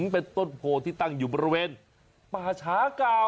เป็นต้นโพที่ตั้งอยู่บริเวณป่าช้าเก่า